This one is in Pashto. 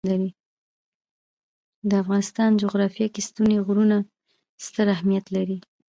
د افغانستان جغرافیه کې ستوني غرونه ستر اهمیت لري.